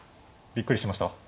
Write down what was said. びっくりしました？